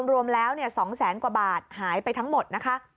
รวมแล้วเนี่ย๒๐๐๐๐๐กว่าบาทหายไปทั้งหมดนะคะ